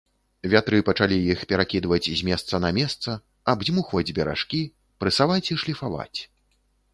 Вятры пачалі іх перакідваць з месца на месца, абдзьмухваць беражкі, прэсаваць і шліфаваць.